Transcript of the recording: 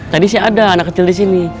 tadi sih ada anak kecil disini